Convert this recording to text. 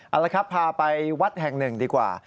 เอาละครับพาไปวัดแห่งหนึ่งดีกว่า